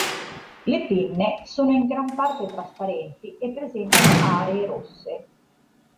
Le pinne sono in gran parte trasparenti e presentano aree rosse.